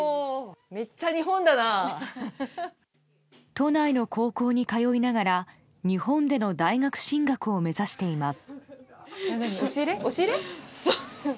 都内の高校に通いながら日本での大学進学を目指しています。